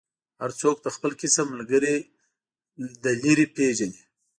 هر څوک د خپل کسب ملګری له لرې پېژني.